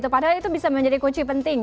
padahal itu bisa menjadi kunci penting